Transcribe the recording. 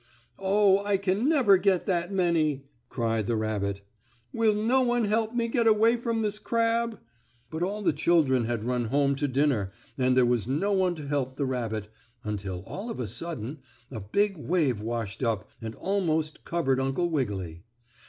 "Oh, I can never get that many!" cried the rabbit. "Will no one help me get away from this crab?" But all the children had run home to dinner and there was no one to help the rabbit, until all of a sudden, a big wave washed up, and almost covered Uncle Wiggily.